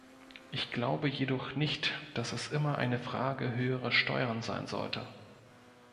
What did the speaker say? Ich glaube jedoch nicht, dass es immer eine Frage höherer Steuern sein sollte.